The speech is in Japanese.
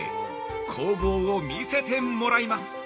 工房を見せてもらいます。